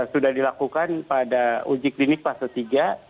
sudah dilakukan pada uji klinik kelas ketiga